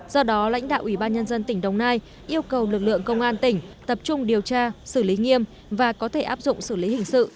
do đó lãnh đạo ubnd tỉnh đồng nai yêu cầu lực lượng công an tỉnh tập trung điều tra xử lý nghiêm và có thể áp dụng xử lý hình sự